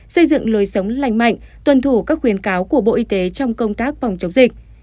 xây dựng lối sống lành mạnh tuân thủ các khuyến cáo của bộ y tế trong công tác phòng chống dịch